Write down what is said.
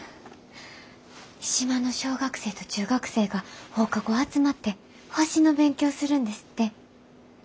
島の小学生と中学生が放課後集まって星の勉強するんですって。